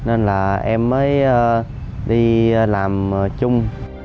em mới đi làm chung